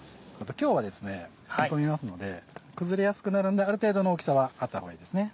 今日は煮込みますので崩れやすくなるんである程度の大きさはあった方がいいですね。